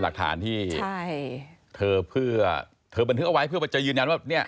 หนูจะยืบเรื่องทุกขวัญทุกอย่างเลยค่ะ